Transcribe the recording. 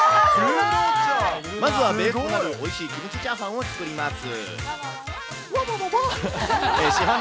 まずはベースとなるおいしいキムチチャーハンを作ります。